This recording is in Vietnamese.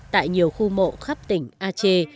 tại nhiều khu mộ khắp tỉnh aceh